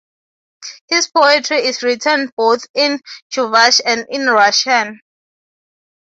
His poetry is written both in Chuvash and in Russian.